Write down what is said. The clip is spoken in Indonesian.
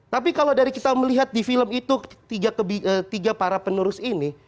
tapi kalau dari kita melihat di film itu tiga para penerus ini